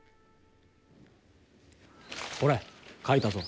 ほれ書いたぞ。